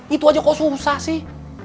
itu aja kok susah sih